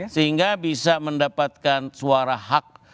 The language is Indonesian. sehingga bisa mendapatkan suara hak